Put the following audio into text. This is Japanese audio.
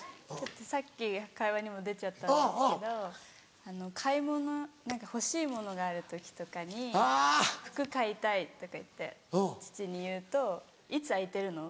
さっき会話にも出ちゃったんですけど買い物欲しい物がある時とかに「服買いたい」とか言って父に言うと「いつ空いてるの？